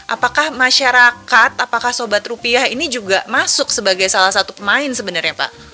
apakah masyarakat apakah sobat rupiah ini juga masuk sebagai salah satu pemain sebenarnya pak